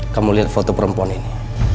kamu lihat foto perempuan ini